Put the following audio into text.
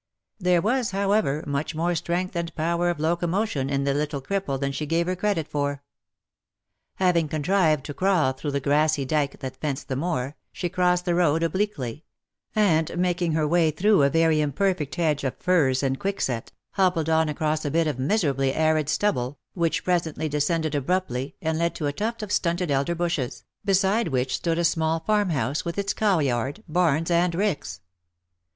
There was, however, much more strength and power of locomotion in the little cripple than she gave her credit for. Having contrived to crawl through the grassy dyke that fenced the moor, she crossed. the road obliquely, and making her way through a very imperfect hedge of furze and quickset, hobbled on across a bit of miserably arid stub ble, which presently descended abruptly, and led to a tuft of stunted elder bushes, beside which stood a small farm house, with its cow yard, barns, and ricks.